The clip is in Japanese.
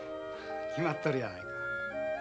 決まっとるやないか。